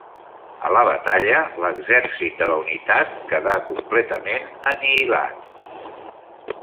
A la batalla, l'Exèrcit de la Unitat queda completament anihilat.